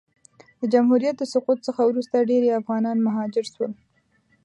د جمهوریت د سقوط څخه وروسته ډېری افغانان مهاجر سول.